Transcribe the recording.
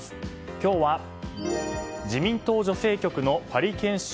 今日は、自民党女性局のパリ研修